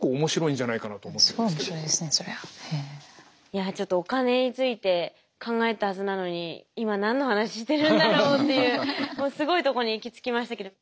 いやちょっとお金について考えたはずなのに今何の話してるんだろうっていうもうすごいとこに行き着きましたけど。